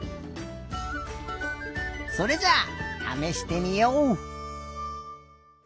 それじゃあためしてみよう！